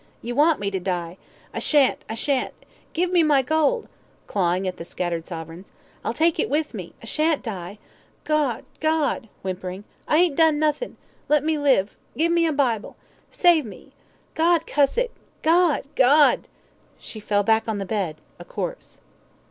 "Ye want me to die, I shan't I shan't give me my gold," clawing at the scattered sovereigns. "I'll take it with me I shan't die G G " whimpering. "I ain't done nothin' let me live give me a Bible save me, G cuss it G , G ." She fell back on the bed, a corpse.